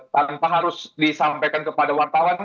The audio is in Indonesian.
tanpa harus disampaikan kepada wartawan